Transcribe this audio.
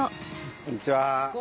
こんにちは。